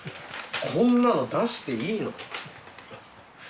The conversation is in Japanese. こんなの出していいの？